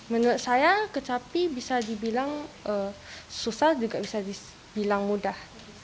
menurut saya kecapi bisa dibilang susah juga bisa dibilang mudah